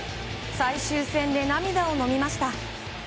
最終戦で涙をのみました。